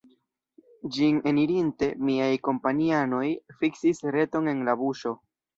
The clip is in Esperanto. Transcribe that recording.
Ĝin enirinte, miaj kompanianoj fiksis reton en la buŝo.